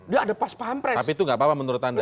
dia ada pas paham tapi itu gak apa apa menurut anda